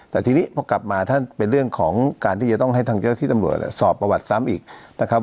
แต่ทีนี้พอกลับมาท่านเป็นเรื่องของการที่จะต้องให้ทางเจ้าที่ตำรวจสอบประวัติซ้ำอีกนะครับ